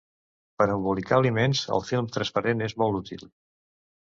Per embolicar aliments, el film transparent és molt útil